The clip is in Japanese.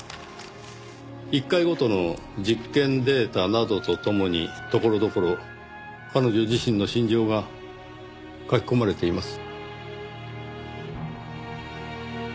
１回ごとの実験データなどとともにところどころ彼女自身の心情が書き込まれています。